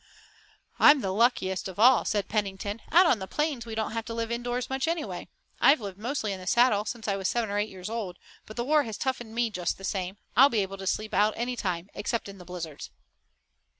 "I'm the luckiest of all," said Pennington. "Out on the plains we don't have to live indoors much anyway. I've lived mostly in the saddle since I was seven or eight years old, but the war has toughened me just the same. I'll be able to sleep out any time, except in the blizzards."